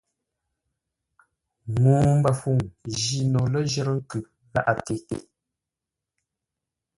Ŋuu mbəfuŋ jî no lə̂ ləjərə́ nkʉ gháʼate.